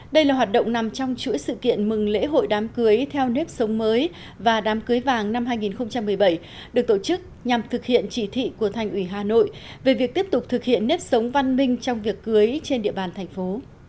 đây là hoạt động nằm trong chuỗi sự kiện mừng lễ hội đám cưới theo nếp sống mới và đám cưới vàng năm hai nghìn một mươi bảy được tổ chức nhằm thực hiện chỉ thị của thành ủy hà nội về việc tiếp tục thực hiện nếp sống văn minh trong việc cưới trên địa bàn thành phố